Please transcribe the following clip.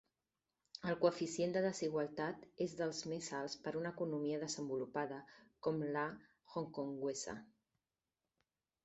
El coeficient de desigualtat és dels més alts per una economia desenvolupada com la hongkonguesa.